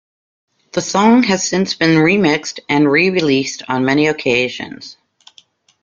The song has since been remixed and re-released on many occasions.